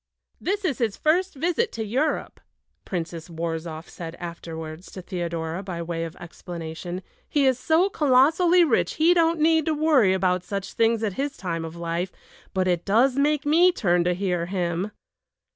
"This is his first visit to Europe," Princess Worrzoff said afterwards to Theodora by way of explanation. "He is so colossally rich he don't need to worry about such things at his time of life; but it does make me turn to hear him."